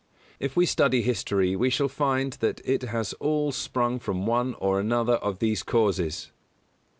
If we study history we shall find that it has all sprung from one or another of these causes.